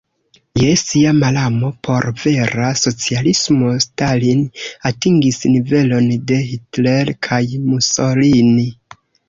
Je sia malamo por vera socialismo Stalin atingis nivelon de Hitler kaj Mussolini.